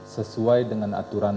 sesuai dengan aturan